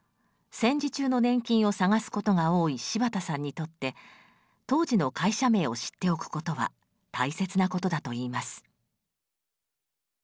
戦時中の年金を探すことが多い柴田さんにとって当時の会社名を知っておくことは大切なことだといいます。